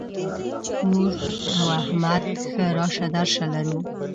موږ او احمد ښه راشه درشه لرو.